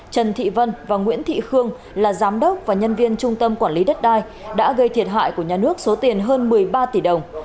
trần thị vân và nguyễn thị khương là giám đốc và nhân viên trung tâm quản lý đất đai đã gây thiệt hại của nhà nước số tiền hơn một mươi ba tỷ đồng